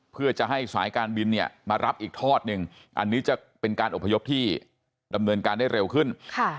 เพื่อจะให้สายการบินเนี่ยมารับอีกทอดหนึ่งอันนี้จะเป็นการอบพยพที่ดำเนินการได้เร็วขึ้น